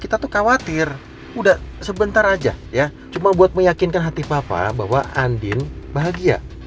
kita tuh khawatir udah sebentar aja ya cuma buat meyakinkan hati papa bahwa andin bahagia